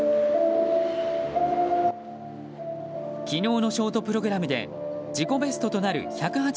昨日のショートプログラムで自己ベストとなる１０８．１２